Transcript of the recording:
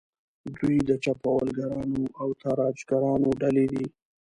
دوی د چپاولګرانو او تاراجګرانو ډلې دي.